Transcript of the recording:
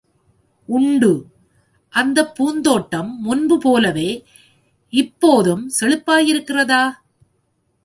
உண்டு.... அந்தப் பூந்தோட்டம் முன்போலவே இப்போதும் செழிப்பாயிருக்கிறதா?